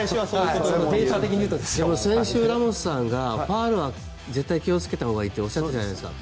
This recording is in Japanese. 先週、ラモスさんがファウルは絶対気をつけたほうがいいとおっしゃってたじゃないですか。